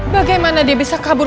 bagaimana dia bisa kabur